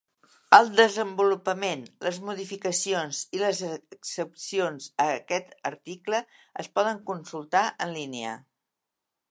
El desenvolupament, les modificacions i les excepcions a aquest article es poden consultar en línia.